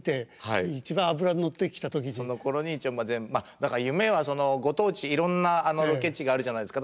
だから夢はご当地いろんなロケ地があるじゃないですか。